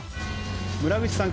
村口さん